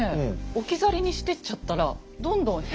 置き去りにしてっちゃったらどんどん兵。